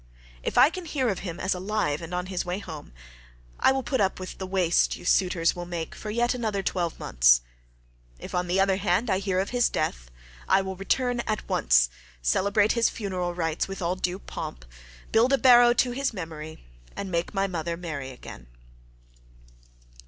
If I can hear of him as alive and on his way home I will put up with the waste you suitors will make for yet another twelve months. If on the other hand I hear of his death, I will return at once, celebrate his funeral rites with all due pomp, build a barrow to his memory, and make my mother marry again."